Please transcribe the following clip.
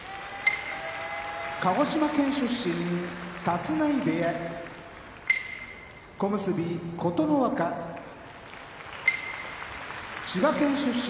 鹿児島県出身立浪部屋小結・琴ノ若千葉県出身